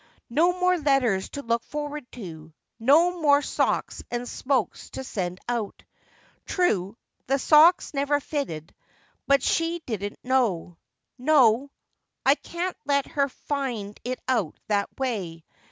No more letters to look forward to : no more socks and smokes to send out. True, the socks never fitted, but she didn't know. No : I can't let her find it out that way.